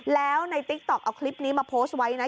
แล้วในติ๊กต๊อกเอาคลิปนี้มาโพสต์ไว้นะ